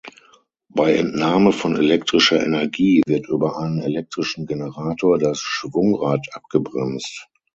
Bei Entnahme von elektrischer Energie wird über einen elektrischen Generator das Schwungrad abgebremst.